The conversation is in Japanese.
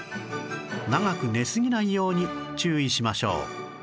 長く寝すぎないように注意しましょう